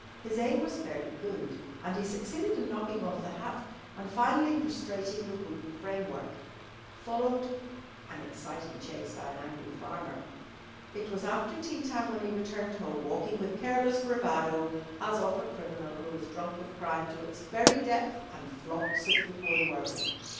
His aim was fairly good, and he succeeded in knocking off the hat and finally prostrating the wooden framework. Followed an exciting chase by an angry farmer. It was after tea time when he returned home, walking with careless bravado as of a criminal who has drunk of crime to its very depth and flaunts it before the world.